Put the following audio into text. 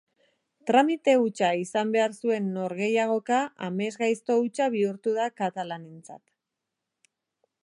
Tramite hutsa izan behar zuen norgehiagoka amesgaizto hutsa bihurtu da katalanentzat.